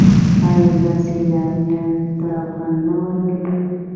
آیا دا سیلانیانو ته خوند نه ورکوي؟